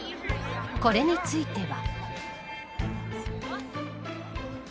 これについては。